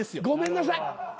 ごめんなさい。